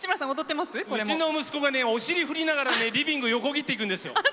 うちの息子がお尻振りながらねリビング横切っていくんですよ。